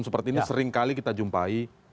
seperti ini seringkali kita jumpai